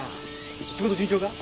仕事順調か？